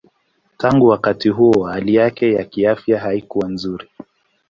Tangu wakati huo hali yake ya kiafya haikuwa nzuri.